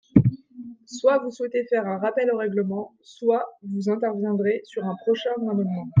Soit vous souhaitez faire un rappel au règlement, soit vous interviendrez sur un prochain amendement.